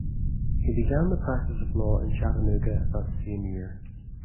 He began the practice of law in Chattanooga that same year.